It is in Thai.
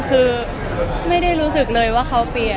คือไม่ได้รู้สึกเลยว่าเขาเปลี่ยน